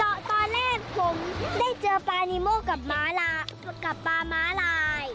ตอนแรกผมได้เจอป้านิมโม่กับป้าม้าลาย